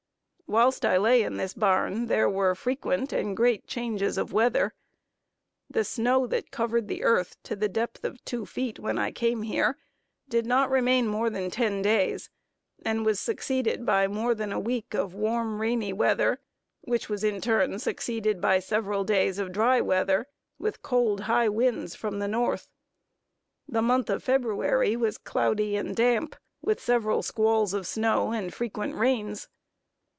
Whilst I lay in this barn there were frequent and great changes of weather. The snow that covered the earth to the depth of two feet when I came here, did not remain more than ten days, and was succeeded by more than a week of warm rainy weather, which was in turn succeeded by several days of dry weather, with cold high winds from the North. The month of February was cloudy and damp, with several squalls of snow and frequent rains.